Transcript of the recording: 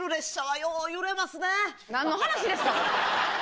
何の話ですか？